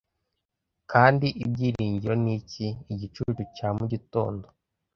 Kandi Ibyiringiro ni iki? Igicucu cya mugitondo,